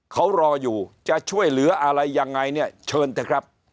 เขารออยู่จะช่วยเหลืออะไรยังไงเนี่ยเชิญเถอะครับ